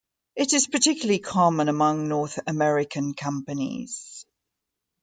It is particularly common among North American companies.